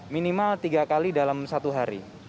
minimal tiga kali dalam satu hari